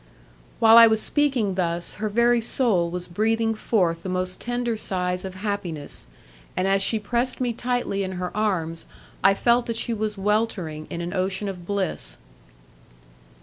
While I was speaking thus, her very soul was breathing forth the most tender sighs of happiness, and as she pressed me tightly in her arms I felt that she was weltering in an ocean of bliss.